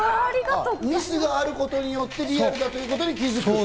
ミスがあることによってリアルだということに気づく。